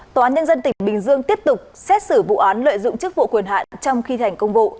tòa án nhân dân tỉnh bình dương tiếp tục xét xử vụ án lợi dụng chức vụ quyền hạn trong khi thành công vụ